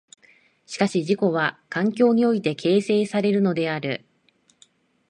しかし自己は環境において形成されるのである。